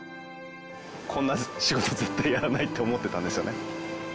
こんな仕事絶対やらないと思ってたんですよね。